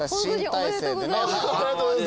ありがとうございます。